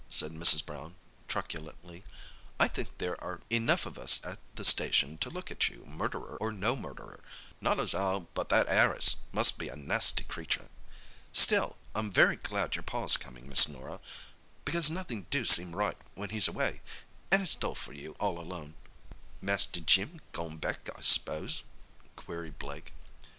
said Mrs. Brown, truculently. "I think there are enough of us at the station to look after you, murderer or no murderer—not as 'ow but that 'Arris must be a nasty creature! Still I'm very glad your Pa's coming, Miss Norah, because nothing do seem right when he's away—an' it's dull for you, all alone." "Master Jim gone back, I s'pose?" queried Blake.